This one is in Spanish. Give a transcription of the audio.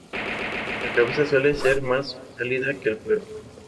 La cabeza suele ser más pálida que el cuerpo.